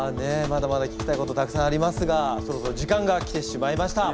まだまだ聞きたいことたくさんありますがそろそろ時間が来てしまいました。